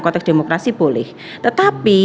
kotak demokrasi boleh tetapi